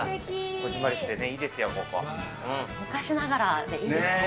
こぢんまりしてていいですよ、昔ながらでいいですね。